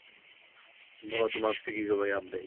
Cena realizace je odhadována na osm miliard korun.